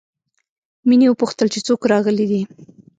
مينې وپوښتل چې څوک راغلي دي